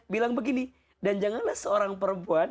bilang begini dan janganlah seorang perempuan